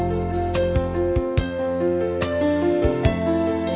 mới để digi